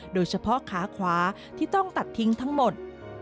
โดยเฉพาะขาขวาที่ต้องตัดทิ้งทั้งหมด